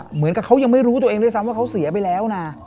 เหมือนกับเขายังไม่รู้ตัวเองด้วยซ้ำว่าเขาเสียไปแล้วนะ